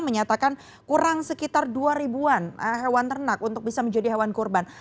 menyatakan kurang sekitar dua ribu an hewan ternak untuk bisa menjadi hewan kurban